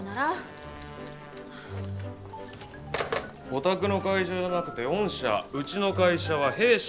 お宅の会社じゃなくて「御社」うちの会社は「弊社」。